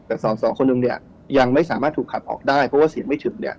แต่สอสอคนหนึ่งเนี่ยยังไม่สามารถถูกขับออกได้เพราะว่าเสียงไม่ฉึบเนี่ย